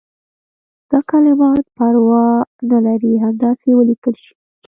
دا کلمات پروا نه لري همداسې ولیکل شي.